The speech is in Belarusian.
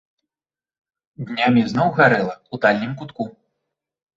Днямі зноў гарэла, у дальнім кутку.